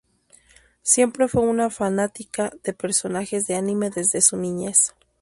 Siempre fue una fanática de personajes de anime desde su niñez.